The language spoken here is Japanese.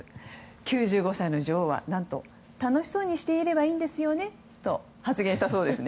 ９５歳の女王は何と楽しそうにしていればいいんですよねと発言したそうです。